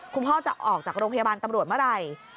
คุณพ่อจะออกจากโรงพยาบาลตำรวจเมื่อไหร่